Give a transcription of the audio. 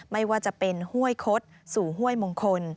ไม่ว่าจะเป็นห้วยคดสู่ห้วยมงคล